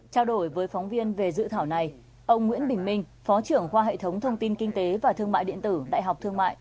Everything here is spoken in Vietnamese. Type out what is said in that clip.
trao đổi với phóng viên về dự thảo này ông nguyễn bình minh phó trưởng khoa hệ thống thông tin kinh tế và thương mại điện tử đại học thương mại